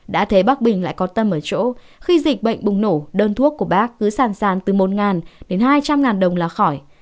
đã thế bác bình lại có tâm ở chỗ khi dịch bệnh bùng nổ đơn thuốc của bác cứ sàn sàn từ một hai trăm linh đồng là khỏi